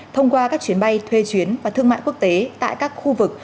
thông qua các chuyến bay thuê chuyến và thương mại quốc tế tại các khu vực